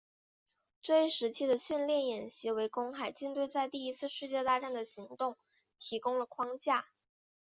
这一时期的训练演习为公海舰队在第一次世界大战的行动提供了框架。